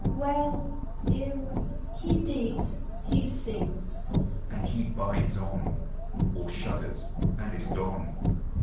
"Well, ill, he digs, he sings ;" and he bides on, Or shudders, and is gone.